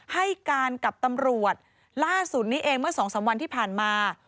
ให้การกับตำรวจล่าสุดนี้เองเมื่อสองสามวันที่ผ่านมา